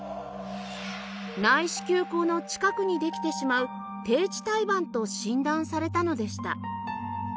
内子宮口の近くにできてしまう低置胎盤と診断されたのでした